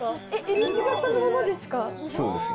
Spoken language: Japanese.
Ｌ字形のままですか？